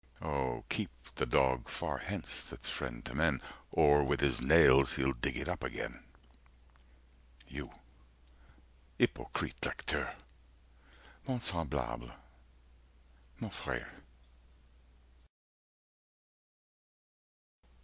Oh keep the Dog far hence, that's friend to men, Or with his nails he'll dig it up again! 75 You! hypocrite lecteur!—mon semblable,—mon frère!"